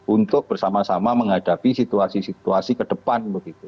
untuk bersama sama menghadapi situasi situasi kedepan